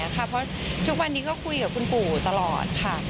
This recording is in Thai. เพราะทุกวันนี้ก็คุยกับคุณปู่ตลอดค่ะ